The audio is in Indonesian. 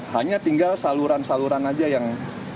hanya tinggal saluran saluran aja yang